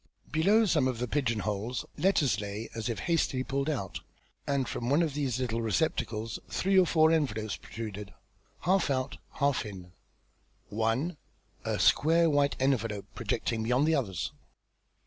Below some of the pigeon holes, letters lay as if hastily pulled out, and from one of these little receptacles three or four envelopes protruded, half out, half in one, a square white envelope, projecting beyond the others.